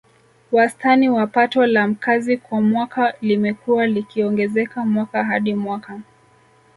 Wastani wa Pato la Mkazi kwa mwaka limekuwa likiongezeka mwaka hadi mwaka